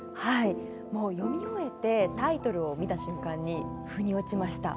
読み終えてタイトルを見た瞬間に腑に落ちました。